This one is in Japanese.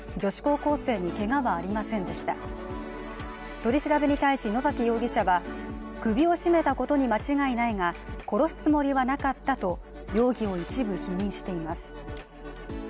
取り調べに対し野崎容疑者は首を絞めたことに間違いないが殺すつもりはなかったと容疑を一部否認しています。